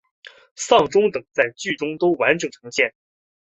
丧钟等在剧中都完整呈现。